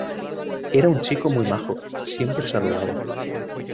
Era un chico muy majo, siempre saludaba.